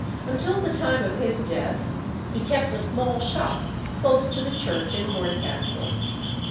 Until the time of his death he kept a small shop close to the church in Horncastle.